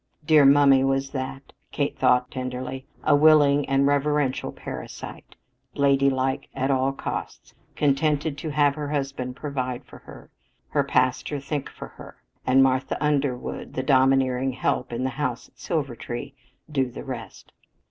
Dear "mummy" was that, Kate thought tenderly a willing and reverential parasite, "ladylike" at all costs, contented to have her husband provide for her, her pastor think for her, and Martha Underwood, the domineering "help" in the house at Silvertree, do the rest.